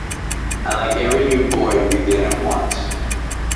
I like every new boy to begin at once.